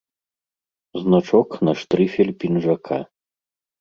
Значок на штрыфель пінжака.